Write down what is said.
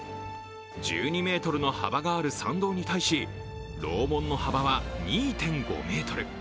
１２ｍの幅がある参道に対し楼門の幅は２．５ｍ。